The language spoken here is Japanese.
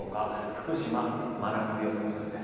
福島、真夏日予想なんです。